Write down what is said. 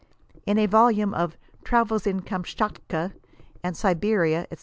In a 92 volame of *' Travels in Kamschatka and Siberia, &c.